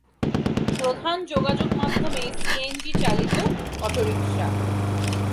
প্রধান যোগাযোগ মাধ্যমে সিএনজি চালিত অটোরিক্সা।